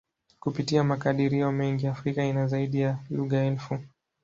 Kupitia makadirio mengi, Afrika ina zaidi ya lugha elfu.